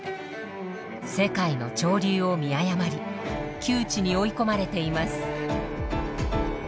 世界の潮流を見誤り窮地に追い込まれています。